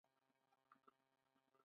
په دښته کې غواګانې شته